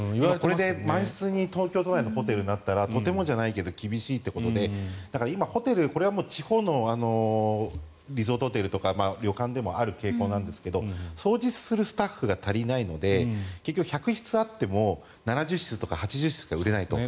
満室に東京都内のホテル、なったらとてもじゃないけど厳しいということで今、ホテルこれは地方のリゾートホテルとか旅館でもある傾向なんですが掃除するスタッフが足りないので結局１００室があっても７０室とか８０室しか売れないと。